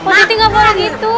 pos siti gak perlu gitu